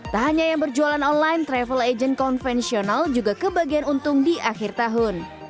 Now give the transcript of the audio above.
tak hanya yang berjualan online travel agent konvensional juga kebagian untung di akhir tahun